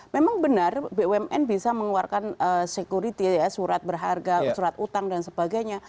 memang benar bumn bisa mengeluarkan security ya surat berharga surat utang dan sebagainya